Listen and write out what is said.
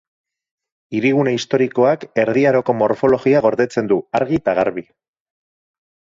Hirigune historikoak Erdi Aroko morfologia gordetzen du argi eta garbi.